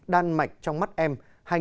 đan mạch trong mắt em hai nghìn một mươi chín